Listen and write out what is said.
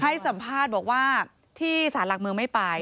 ให้สัมภาษณ์บอกว่าที่สารหลักเมืองไม่ไป